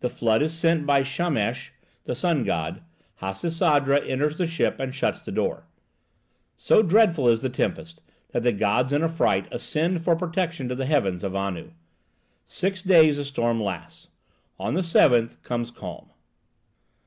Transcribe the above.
The flood is sent by Shamash (the sun god). Hasisadra enters the ship and shuts the door. So dreadful is the tempest that the gods in affright ascend for protection to the heaven of Anu. Six days the storm lasts. On the seventh conies calm.